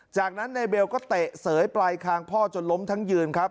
จากนั้นนายเบลก็เตะเสยปลายคางพ่อจนล้มทั้งยืนครับ